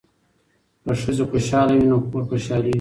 که ښځې خوشحاله وي نو کور خوشحالیږي.